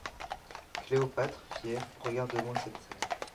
Cléopâtre, fière, regarde de loin cette scène.